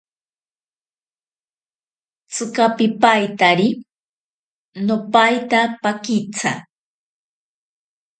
Tsika pipaitari. No paita pakitsa.